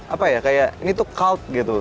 apa ya kayak ini tuh cold gitu